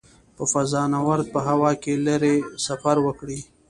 فضانورد په هوا کې لیرې سفر وکړي.